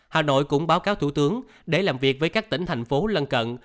hà nội cũng báo cáo thủ tướng để làm việc với các tỉnh thành phố lân cận